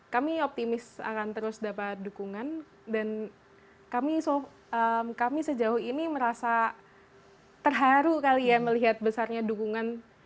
kami optimis akan terus dapat dukungan dan kami sejauh ini merasa terharu kali ya melihat besarnya dukungan